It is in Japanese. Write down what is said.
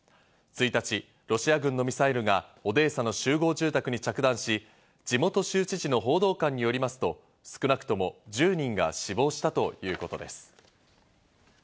１日、ロシア軍のミサイルがオデーサの集合住宅に着弾し、地元州知事の報道官によりますと、少なくとも１０人が死亡したということです。